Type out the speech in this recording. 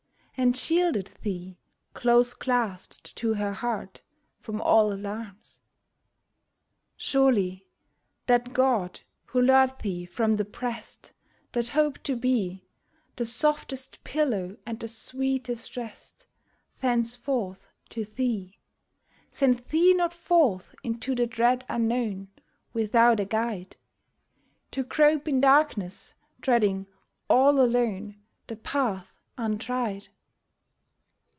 And shielded thee, close clasped to her heart. From all alarms ? Surely that God who lured thee from the breast That hoped to be The softest pillow and the sweetest rest Thenceforth to thee, Sent thee not forth into the dread unknown Without a guide, To grope in darkness, treading all alone The path untried.